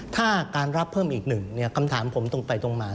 ถ้าการรับเพิ่มอีกหนึ่งคำถามผมตรงไปตรงมา